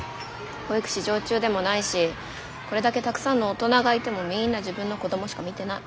保育士常駐でもないしこれだけたくさんの大人がいてもみんな自分の子供しか見てない。